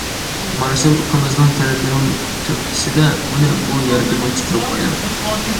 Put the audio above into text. مارشال ئۇكىمىزنىڭ تەلىپىنىڭ تۈرتكىسىدە، ئۇنى بۇ يەرگىمۇ چىقىرىپ قويدۇم.